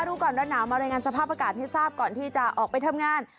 รู้ก่อนร้อนหนาวมารายงานสภาพอากาศให้ทราบก่อนที่จะออกไปทำงาน